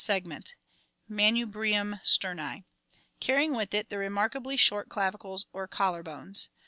segment {manubrium sternt), carrying with it the remarkably short clavicles or collar bones.